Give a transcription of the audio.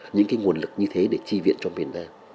những cái nguồn lực như thế để chi viện cho miền nam